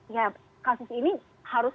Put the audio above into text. ya kasus ini harus